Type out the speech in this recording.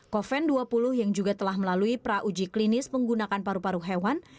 koven dua puluh yang juga telah melalui pra uji klinis menggunakan paru paru hewan